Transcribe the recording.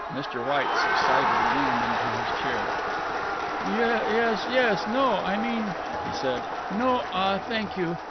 Mr. White subsided again into his chair. "Yes, yes no, I mean," he said, "no ah thank you.